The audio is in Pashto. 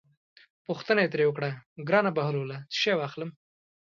پوښتنه یې ترې وکړه: ګرانه بهلوله څه شی واخلم.